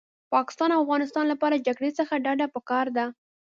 پاکستان او افغانستان لپاره جګړې څخه ډډه پکار ده